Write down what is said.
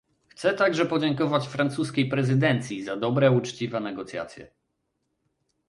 Chcę także podziękować francuskiej prezydencji za dobre, uczciwe negocjacje